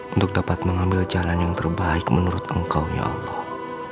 untuk dapat mengambil jalan yang terbaik menurut engkau ya allah